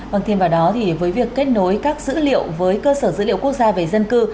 vâng thêm vào đó thì với việc kết nối các dữ liệu với cơ sở dữ liệu quốc gia về dân cư